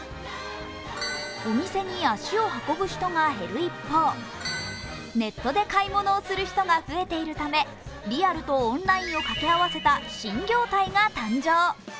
お店に足を運ぶ人が減る一方、ネットで買い物をする人が増えているためリアルとオンラインを掛け合わせた新業態が誕生。